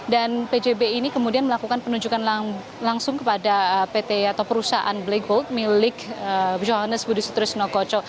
dan pjb ini kemudian melakukan penunjukan langsung kepada pt atau perusahaan black gold milik johannes budistris nogoco